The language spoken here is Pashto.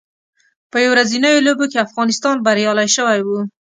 په یو ورځنیو لوبو کې افغانستان بریالی شوی و